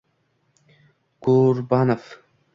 Kurbanoff